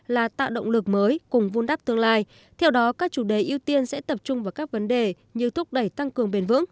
là tạo động lực mới cùng vun đắp tương lai theo đó các chủ đề ưu tiên sẽ tập trung vào các vấn đề như thúc đẩy tăng cường bền vững